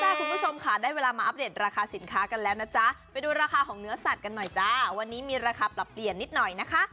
คุณผู้ชมค่ะได้เวลามาอัปเดตราคาสินค้ากันแล้วนะจ๊ะไปดูราคาของเนื้อสัตว์กันหน่อยจ้าวันนี้มีราคาปรับเปลี่ยนนิดหน่อยนะคะ